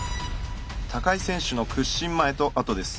高井選手の屈伸前と後です。